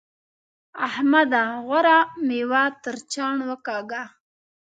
احمده! غوره مېوه تر چاڼ وکاږه.